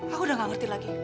aku udah gak ngerti lagi